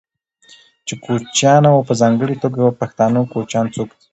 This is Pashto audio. چې کوچيان او په ځانګړې توګه پښتانه کوچيان څوک دي،